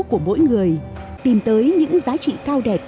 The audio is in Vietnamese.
của mỗi người tìm tới những giá trị cao đẹp